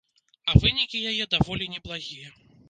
А вынікі яе даволі неблагія.